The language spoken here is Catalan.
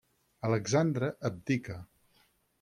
Alexandre abdica.